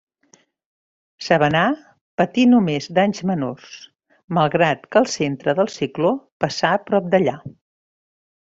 Savannah patí només danys menors, malgrat que el centre del cicló passà prop d'allà.